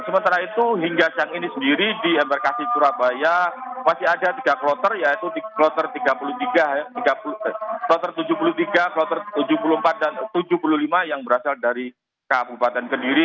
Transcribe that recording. sementara itu hingga siang ini sendiri di embarkasi surabaya masih ada tiga kloter yaitu di kloter tujuh puluh tiga kloter tujuh puluh empat dan tujuh puluh lima yang berasal dari kabupaten kediri